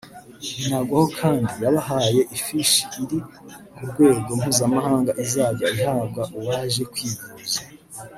Binagwaho kandi yabahaye ifishi iri ku rwego mpuzamahanga izajya ihabwa uwaje kwivuza